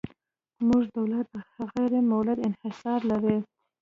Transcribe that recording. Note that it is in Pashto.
زموږ دولت غیر مولد انحصار لري.